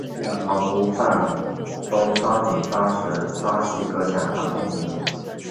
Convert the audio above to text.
要毫不放松抓紧抓实抓细各项防控工作